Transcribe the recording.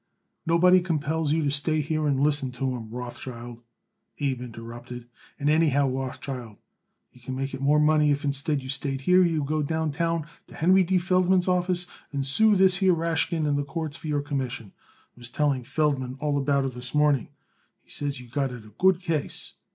"Nobody compels you to stay here and listen to 'em, Rothschild," Abe interrupted. "And, anyhow, Rothschild, you could make it more money if instead you stayed here you would go downtown to Henry D. Feldman's office and sue this here Rashkin in the courts for your commission. I was telling Feldman all about it this morning, and he says you got it a good case."